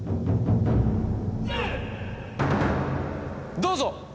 どうぞ！